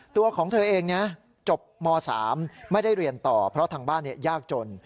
ตัวของเธอเองจบม๓ไม่ได้เรียนต่อเพราะทางบ้านยากจน